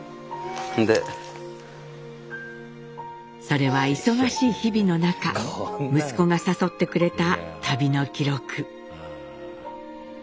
それは忙しい日々の中息子が誘ってくれた旅の記録。